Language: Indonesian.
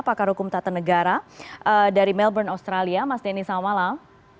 pakar hukum tata negara dari melbourne australia mas denny selamat malam